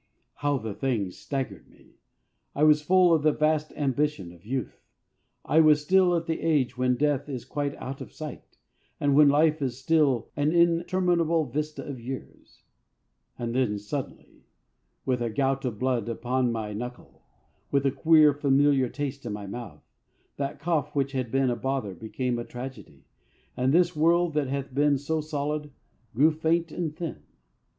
How the thing staggered me! I was full of the vast ambition of youth; I was still at the age when death is quite out of sight, when life is still an interminable vista of years; and then suddenly, with a gout of blood upon my knuckle, with a queer familiar taste in my mouth, that cough which had been a bother became a tragedy, and this world that had been so solid grew faint and thin.